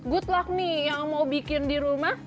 good luck nih yang mau bikin di rumah